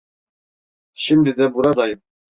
Şimdi de buradayım.